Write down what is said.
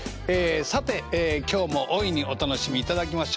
さて今日も大いにお楽しみいただきましょう。